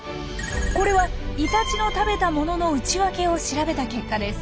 これはイタチの食べたものの内訳を調べた結果です。